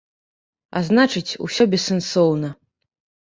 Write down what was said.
А значыць, усё бессэнсоўна.